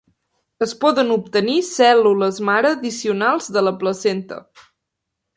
Es poden obtenir cèl·lules mare addicionals de la placenta.